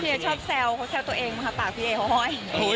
เอชอบแซวเขาแซวตัวเองมาค่ะปากพี่เอเขาห้อย